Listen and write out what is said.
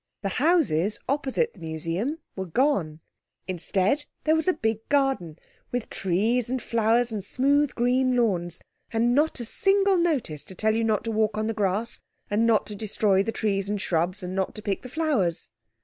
The houses opposite the Museum were gone. Instead there was a big garden, with trees and flowers and smooth green lawns, and not a single notice to tell you not to walk on the grass and not to destroy the trees and shrubs and not to pick the flowers.